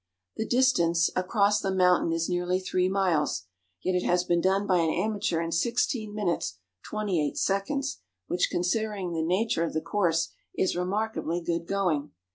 The distance "across the mountain" is nearly three miles, yet it has been done by an amateur in sixteen minutes twenty eight seconds, which, considering the nature of the course, is remarkably good going.